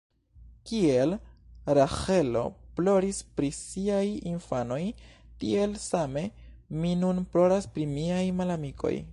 Kiel Raĥelo ploris pri siaj infanoj, tiel same mi nun ploras pri miaj malamikoj.